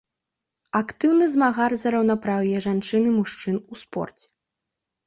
Актыўны змагар за раўнапраўе жанчын і мужчын у спорце.